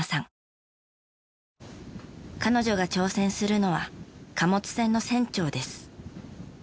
彼女が挑戦するのは貨物船の船長です。